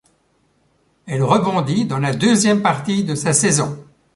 Elle rebondit dans la deuxième partie de sa saison.